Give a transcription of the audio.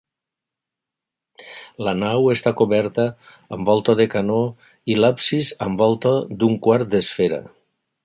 La nau està coberta amb volta de canó i l'absis amb volta d'un quart d'esfera.